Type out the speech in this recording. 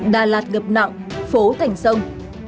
đà lạt ngập nặng phố thành sông